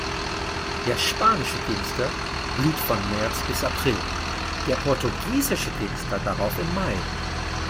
Der Spanische Ginster blüht von März bis April, der Portugiesische Ginster darauf im Mai.